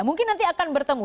mungkin nanti akan bertemu